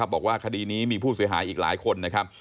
บอกว่าคดีนี้มีผู้เสียหายอีกหลายคนนะครับ